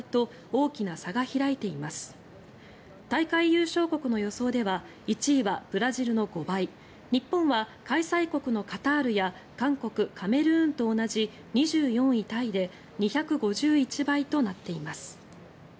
大会優勝国の予想では１位はブラジルの５倍日本は開催国のカタールや韓国カメルーンと同じ２４位タイで２５１倍となっています。